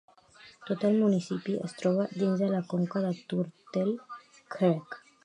Tot el municipi es troba dins de la conca de Turtle Creek.